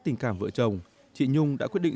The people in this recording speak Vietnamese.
tình cảm vợ chồng chị nhung đã quyết định